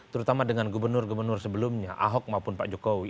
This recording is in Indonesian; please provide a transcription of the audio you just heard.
terutama dengan gubernur gubernur sebelumnya ahok maupun pak jokowi